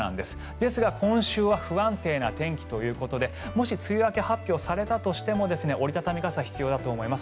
ですが今週は不安定な天気ということでもし梅雨明け発表されたとしても折り畳み傘が必要だと思います。